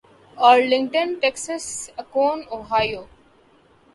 Arlington Texas Akron Ohio